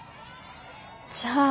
じゃあ。